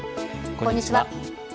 こんにちは。